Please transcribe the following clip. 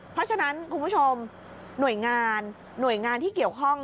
เพราะฉะนั้นคุณผู้ชมหน่วยงานหน่วยงานที่เกี่ยวข้อง